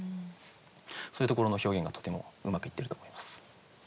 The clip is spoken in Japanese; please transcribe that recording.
そういうところの表現がとてもうまくいってると思います。